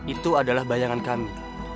itu adalah bayangan kami